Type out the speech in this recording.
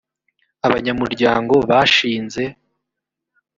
abanyamuryango bashinze